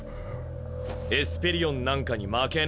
エスペリオンなんかに負けねえ。